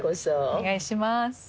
お願いします。